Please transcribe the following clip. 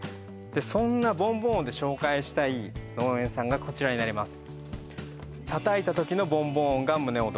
そんなボンボン音で紹介したい農園さんがこちらになります